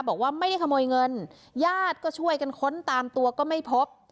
บอกว่าไม่ได้ขโมยเงินญาติก็ช่วยกันค้นตามตัวก็ไม่พบ